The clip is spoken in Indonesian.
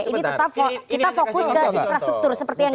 ini tetap kita fokus ke infrastruktur seperti yang